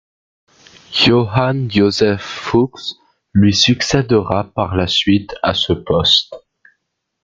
Johann Joseph Fux lui succèdera par la suite à ce poste.